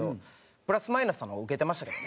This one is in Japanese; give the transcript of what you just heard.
プラスマイナスさんの方がウケてましたけどね。